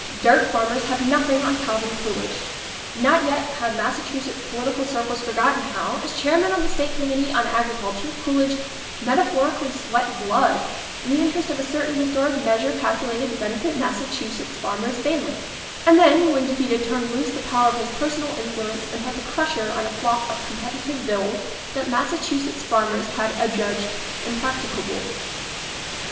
"Dirt" farmers have nothing on Calvin Coolidge! Not yet have Massachusetts political circles for gotten how, as chairman of the state committee on agriculture, Coolidge metaphorically sweat blood in the interest of a certain historic measure cal culated to benefit Massachusetts farmers sanely ŌĆö and then, when defeated, turned loose the power of his personal influence and put the crusher on a flock of competitive bills that Massachusetts farmers had adjudged impracticable.